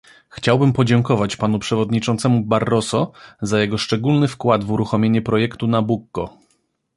Chciałbym podziękować panu przewodniczącemu Barroso za jego szczególny wkład w uruchomienie projektu Nabucco